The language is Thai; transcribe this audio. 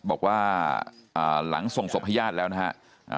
บอกว่าหลังส่งศพพญาติแล้วนะครับ